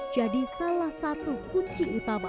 jadi salah satu kunci utama